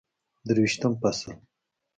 درویشتم فصل